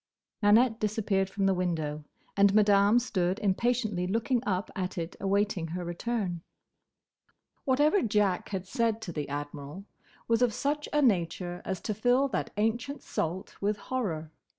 Nanette disappeared from the window, and Madame stood impatiently looking up at it awaiting her return. Whatever Jack had said to the Admiral was of such a nature as to fill that ancient salt with horror.